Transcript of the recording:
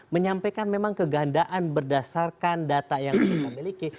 menyampaikan memang kegandaan berdasarkan data yang kita miliki